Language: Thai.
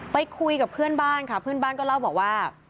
ไปคุยกับเพื่อนบ้านค่ะเพื่อนบ้านก็เล่าบอกว่า